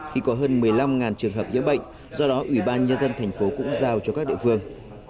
khi có hơn một mươi năm trường hợp nhiễm bệnh do đó ủy ban nhân dân thành phố cũng giao cho các địa phương